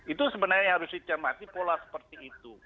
itu sebenarnya harus dicermati pola seperti itu